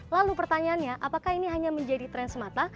lalu pertanyaannya apakah ini hanya menjadi tren semata